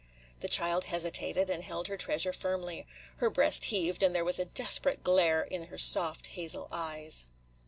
The child hesitated, and held her treasure firmly. Her breast heaved, and there was a desperate glare in her soft hazel eyes.